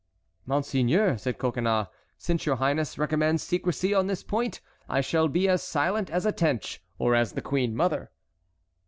"Monseigneur," said Coconnas, "since your highness recommends secrecy on this point, I shall be as silent as a tench or as the queen mother."